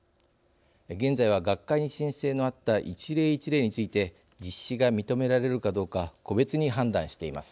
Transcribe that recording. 現在は学会に申請のあった一例一例について実施が認められるかどうか個別に判断しています。